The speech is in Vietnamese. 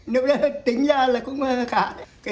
nếu tính ra là cũng khá